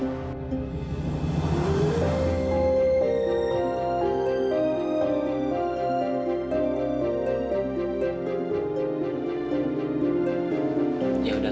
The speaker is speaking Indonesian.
ya cctv mah rupanya